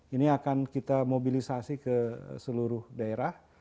ini akan kita mobilisasi ke seluruh daerah